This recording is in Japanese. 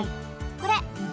これ！